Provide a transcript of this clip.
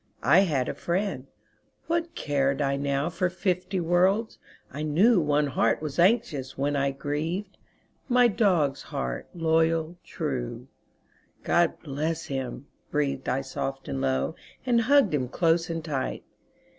I had a friend; what cared I now For fifty worlds? I knew One heart was anxious when I grieved My dog's heart, loyal, true. "God bless him," breathed I soft and low, And hugged him close and tight.